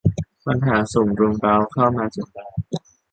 ปัญหาสุมรุมเร้าเข้ามาจนได้